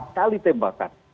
empat kali tembakan